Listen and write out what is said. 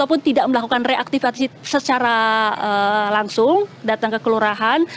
ataupun tidak melakukan reaktivasi secara langsung datang ke kelurahan